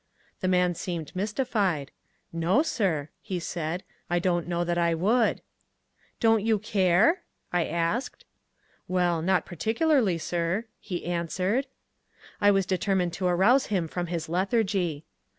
The man seemed mystified. "No, sir," he said. "I don't know that I would." "Don't you care?" I asked. "Well, not particularly, sir," he answered. I was determined to arouse him from his lethargy.